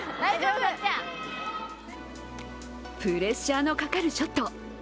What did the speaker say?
プレッシャーのかかるショット。